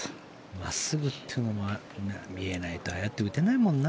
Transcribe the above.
真っすぐっていうのも見えないとああやって打てないもんな。